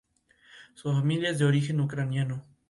Su familia es de origen ucraniano.